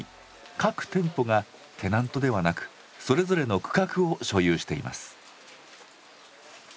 各店舗がテナントではなくそれぞれの区画を所有しています。